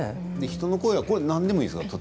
人の声は何でもいいんですか？